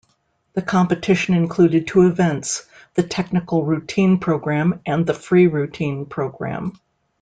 The competition included two events, the technical routine program and the free routine program.